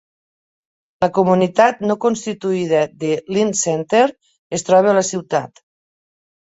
La comunitat no constituïda de Lind Center es troba a la ciutat.